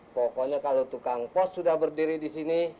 pokoknya kalau tukang pos sudah berdiri disini